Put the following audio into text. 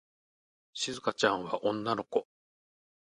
しずかちゃんは女の子。